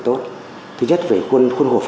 tốt thứ nhất về khuôn hộ